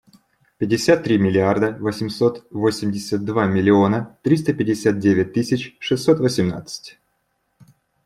Пятьдесят три миллиарда восемьсот восемьдесят два миллиона триста пятьдесят девять тысяч шестьсот восемнадцать.